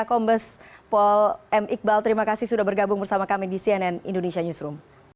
kombes pol m iqbal terima kasih sudah bergabung bersama kami di cnn indonesia newsroom